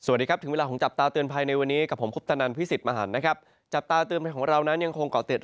สวัสดีครับถึงเวลาของจับตาเตือนภัยในวันนี้กับผมคุปตนันพิสิทธิ์มหันนะครับจับตาเตือนภัยของเรานั้นยังคงเกาะติด